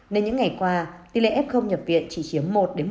nên những ngày qua tỷ lệ f nhập viện chỉ chiếm một một